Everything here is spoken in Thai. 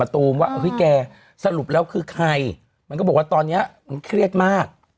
ตูมว่าเฮ้ยแกสรุปแล้วคือใครมันก็บอกว่าตอนนี้มันเครียดมาก